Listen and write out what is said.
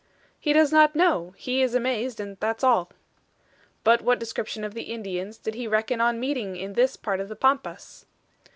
"He does not know; he is amazed and that's all." "But what description of Indians did he reckon on meeting in this part of the Pampas?"